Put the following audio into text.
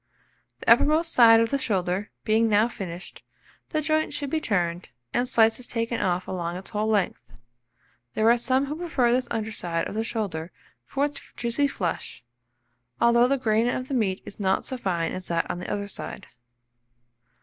The uppermost side of the shoulder being now finished, the joint should be turned, and slices taken off along its whole length. There are some who prefer this under side of the shoulder for its juicy flesh, although the grain of the meat is not so fine as that on the other side.